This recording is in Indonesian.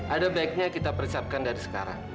ada baiknya kita persiapkan dari sekarang